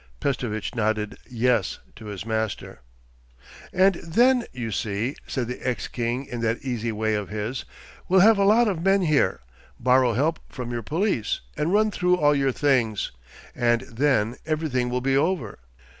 Pestovitch nodded 'yes' to his master. 'And then, you see,' said the ex king in that easy way of his, 'we'll have a lot of men here, borrow help from your police, and run through all your things. And then everything will be over.